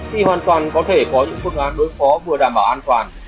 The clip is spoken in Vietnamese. thì hoàn toàn có thể có những phương án đối phó vừa đảm bảo an toàn